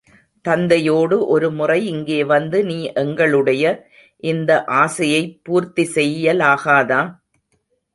தத்தையோடு ஒருமுறை இங்கே வந்து நீ எங்களுடைய இந்த ஆசையைப் பூர்த்தி செய்யலாகாதா?